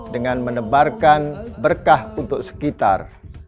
dengan menebarkan berkah untuk sekitar